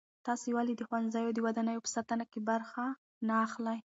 تاسې ولې د ښوونځیو د ودانیو په ساتنه کې برخه نه اخلئ؟